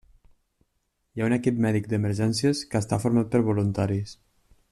Hi ha un equip mèdic d'emergències que està format per voluntaris.